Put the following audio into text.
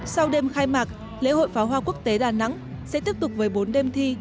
sau đêm khai mạc lễ hội pháo hoa quốc tế đà nẵng sẽ tiếp tục với bốn đêm thi